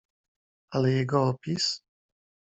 "Ale jego opis?"